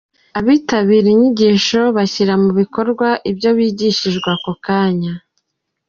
Abitabira inyigisho bashyira mu bikorwa ibyo bigishijwe ako kanya.